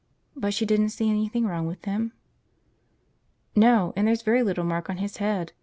"But she didn't see anything wrong with him?" "No. And there's very little mark on his head.